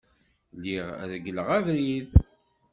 Lliɣ regleɣ abrid.